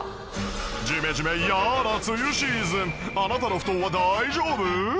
ジメジメ嫌な梅雨シーズンあなたの布団は大丈夫？